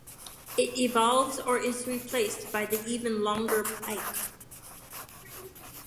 It evolves or is replaced by the even longer pike.